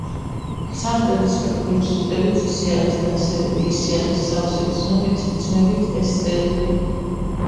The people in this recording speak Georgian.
ცა მტრედისფერ ლურჯ სვეტებით ისე არის დასერილი ისე არის სავსე გრძნობით რითმებით ეს წერილი